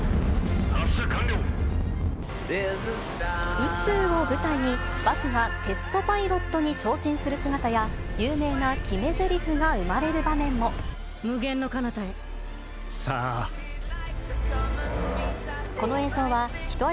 宇宙を舞台に、バズがテスト・パイロットに挑戦する姿や、有名な決めぜりふが生無限の彼方へ。